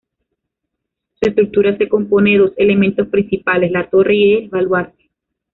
Su estructura se compone de dos elementos principales: la torre y el baluarte.